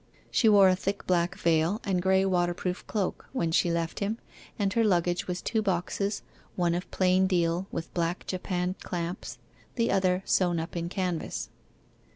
She wore a thick black veil, and grey waterproof cloak, when she left him, and her luggage was two boxes, one of plain deal, with black japanned clamps, the other sewn up in canvas.